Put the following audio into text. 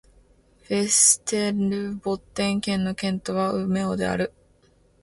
ヴェステルボッテン県の県都はウメオである